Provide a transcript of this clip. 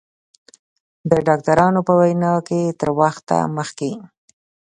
د ډاکترانو په وینا که تر وخته مخکې